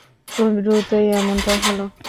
খুব দ্রুতই এমনটা হল।